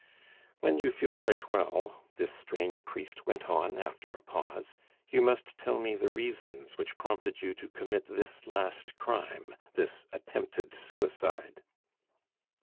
"When you feel quite well," this strange priest went on after a pause, "you must tell me the reasons which prompted you to commit this last crime, this attempted suicide."